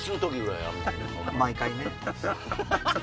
毎回ね。